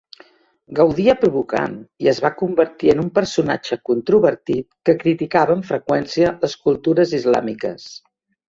Gaudia provocant i es va convertir en un personatge controvertit que criticava amb freqüència les cultures islàmiques.